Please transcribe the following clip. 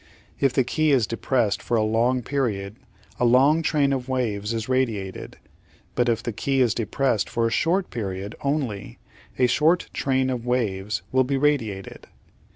If the key is depressed for a long period a long train of waves is radiated, but if the key is depressed for a short period only a short train of waves will be radiated.